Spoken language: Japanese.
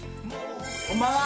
こんばんは。